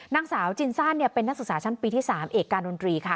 นางสาวจินซ่าเป็นนักศึกษาชั้นปีที่๓เอกการดนตรีค่ะ